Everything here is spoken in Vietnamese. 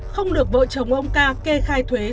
không được vợ chồng ông ca kê khai thuế